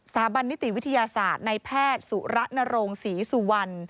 บันนิติวิทยาศาสตร์ในแพทย์สุระนโรงศรีสุวรรณ